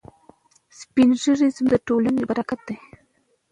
سپین ږیري زموږ د ټولنې برکت دی.